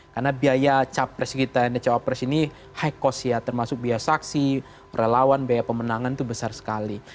karena biaya cawapres kita cawapres ini high cost ya termasuk biaya saksi relawan biaya pemenangan itu besar sekali